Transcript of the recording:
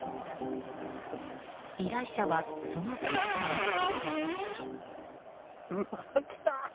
依頼者は、その姿に。